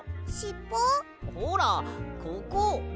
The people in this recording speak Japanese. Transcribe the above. ほらここ！